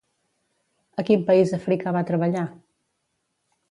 A quin país africà va treballar?